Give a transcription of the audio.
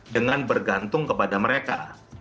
dengan bergantung kepada mereka